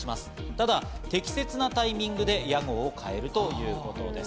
ただ、適切なタイミングで屋号を変えるということです。